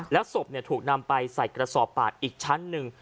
แล้วศพถูกนำไปใส่กระสอบปากอีกชั้นหนึ่ง